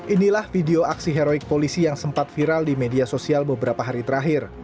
inilah video aksi heroik polisi yang sempat viral di media sosial beberapa hari terakhir